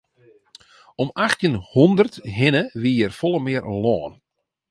Om achttjin hûndert hinne wie hjir folle mear lân.